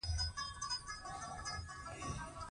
زما خبره یې په دې وخت کې راغوڅه کړه.